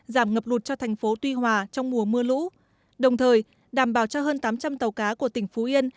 giảm ngập lụt cho thành phố tuy hòa trong mùa mưa lũ đồng thời đảm bảo cho hơn tám trăm linh tàu cá của tỉnh phú yên